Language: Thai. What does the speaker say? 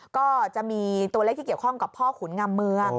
ก็จะมีตัวเลขที่เกี่ยวข้องกับพ่อขุนงำเมือง